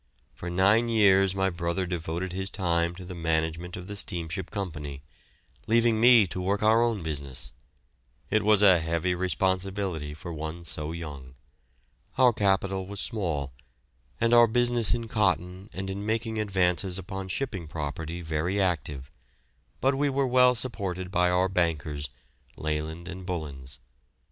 For nine years my brother devoted his time to the management of the steamship company, leaving me to work our own business. It was a heavy responsibility for one so young. Our capital was small, and our business in cotton and in making advances upon shipping property very active, but we were well supported by our bankers, Leyland and Bullins.